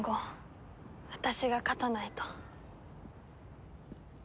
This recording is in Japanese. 私が勝たないと。